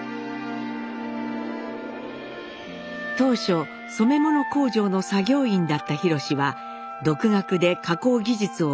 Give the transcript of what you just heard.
当初染め物工場の作業員だった廣は独学で加工技術を覚え